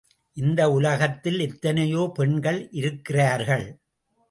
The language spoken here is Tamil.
இந்த உலகத்தில் எத்தனையோ பெண்கள் இருக்கிறார்கள்.